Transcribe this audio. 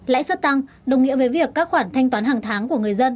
lãi suất tăng đồng nghĩa với việc các khoản thanh toán hàng tháng của người dân